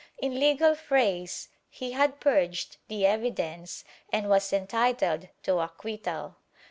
In legal phrase, he had pm ged the evi dence and was entitled to acquittal.